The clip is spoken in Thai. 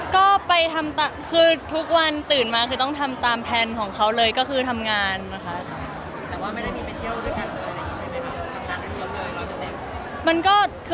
ก็ไปทำคือทุกวันตื่นมาคือต้องทำตามแพลนของเขาเลยก็คือทำงานนะคะ